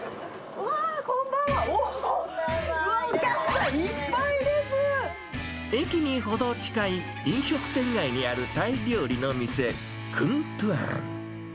うわー、こんばんは、おっ、駅に程近い、飲食店街にあるタイ料理の店、クントゥアン。